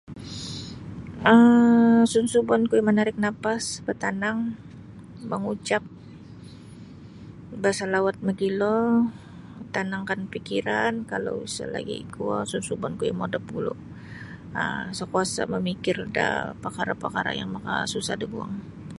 um Sunsubonku iyo manarik napas batanang mangucap basalawat mogilo tanangkan pikiran kalau isa lagi kuo sunsubonku iyo modop gulu sa kuasa mamikir da parkara-parkara yang makasusah da guang.